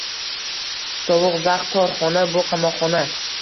Sovuq, zax, tor xona. Bu qamoqxona.